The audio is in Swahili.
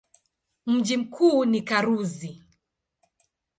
Mji mkuu ni Karuzi.